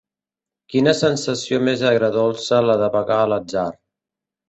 Quina sensació més agre-dolça, la de vagar a l'atzar